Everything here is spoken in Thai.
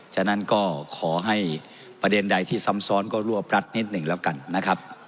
ฉะนั้นก็ขอให้ประเด็นใดที่ซ้ำซ้อนก็รวบรัดนิดหนึ่งแล้วกันนะครับ